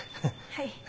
はい。